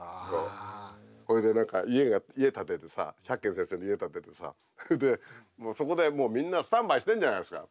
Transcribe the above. それで何か家が家建ててさ百先生の家建ててさほいでそこでもうみんなスタンバイしてるじゃないですか。